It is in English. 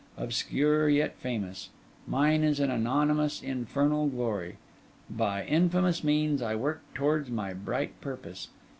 Obscure yet famous. Mine is an anonymous, infernal glory. By infamous means, I work towards my bright purpose.